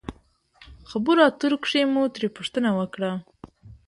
خبرو اترو کښې مو ترې پوښتنه وکړه